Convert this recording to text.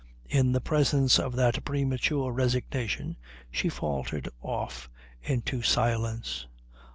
In the presence of that premature resignation she faltered off into silence.